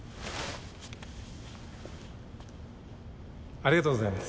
ありがとうございます。